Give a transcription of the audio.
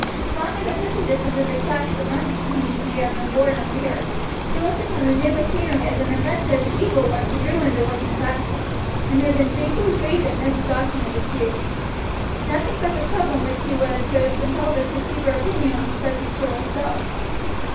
Strong in the prejudices of the class among whom she had been born and reared, she looked upon the new machinery as an invention of the evil one to ruin the working classes, and had been deeply grieved at Ned's adoption of its use. Nothing but the trouble in which he was could have compelled her to keep her opinion on the subject to herself.